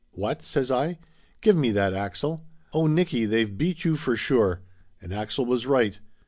"What?" says I. "Give me that, Axel ! Oh, Nicky, they've beat you for sure!" And Axel was right.